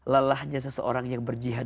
lelahnya seseorang yang berjihad